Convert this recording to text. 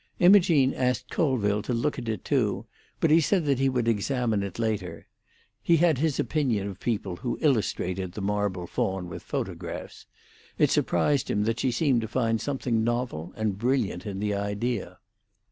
Imogene asked Colville to look at it too, but he said he would examine it later; he had his opinion of people who illustrated The Marble Faun with photographs; it surprised him that she seemed to find something novel and brilliant in the idea.